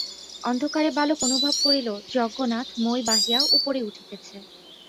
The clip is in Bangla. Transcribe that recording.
অন্ধকারে বালক অনুভব করিল যজ্ঞনাথ মই বাহিয়া উপরে উঠিতেছে।